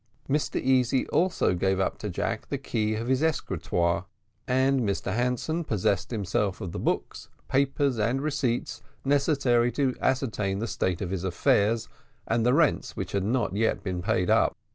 Mr Easy also gave up to Jack the key of his secretary, and Mr Hanson possessed himself of the books, papers, and receipts necessary to ascertain the state of his affairs, and the rents which had not yet been paid up.